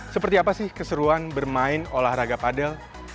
seperti apa sih keseruan bermain olahraga padel